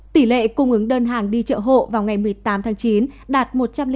tỷ lệ cung ứng đơn hàng đi chợ hộ vào ngày một mươi tám tháng chín đạt một trăm linh tám